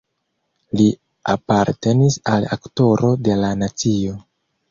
Li apartenis al Aktoro de la nacio.